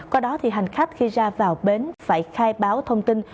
qua đó thì hành khách khi ra vào bến phải khai báo thông tin